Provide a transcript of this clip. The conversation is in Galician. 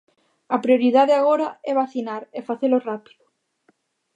A prioridade agora é vacinar, e facelo rápido.